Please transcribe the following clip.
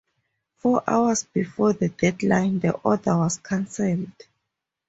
Four hours before the deadline, the order was cancelled.